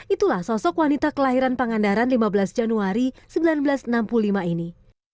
itulah sosok wanita kelahiran pangandaran lima belas januari seribu sembilan ratus enam puluh lima ini